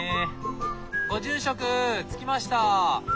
ご住職着きました！